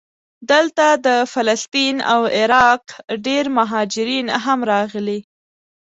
دلته د فلسطین او عراق ډېر مهاجرین هم راغلي.